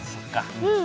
うん。